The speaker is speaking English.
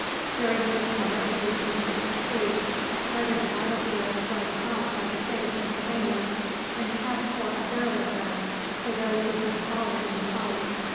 During this summer of 1863, a part of the battle field was bought by the State of Pennsylvania, and kept for a burial ground for those who had fallen in the fight.